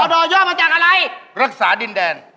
ดอย่อมาจากอะไรรักษาดินแดน